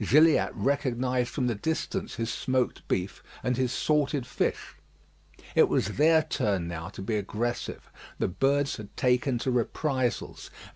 Gilliatt recognised from the distance his smoked beef and his salted fish. It was their turn now to be aggressive. The birds had taken to reprisals.